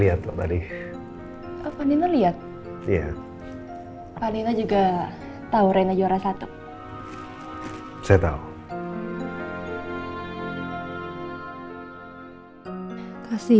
kamu tidak tahu mana yang menyebabkan kamu menjadi seorang kita